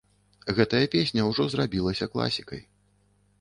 Гэтая песня ўжо зрабілася класікай.